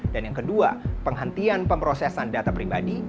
dan yang kedua penghentian pemrosesan data pribadi